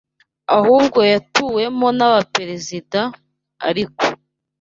ahubwo yatuwemo n’abaperezida, ariko